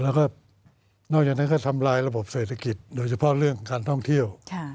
แล้วก็นอกจากนั้นก็ทำลายระบบเศรษฐกิจโดยเฉพาะเรื่องของการท่องเที่ยว